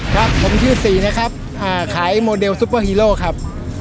ครับผมชื่อสี่นะครับขายโมเดลซุปเปอร์ฮีโร่ครับ